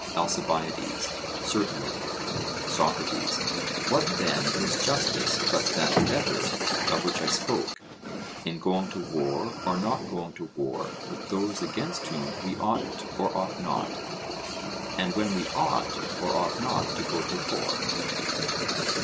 ALCIBIADES: Certainly. SOCRATES: What, then, is justice but that better, of which I spoke, in going to war or not going to war with those against whom we ought or ought not, and when we ought or ought not to go to war?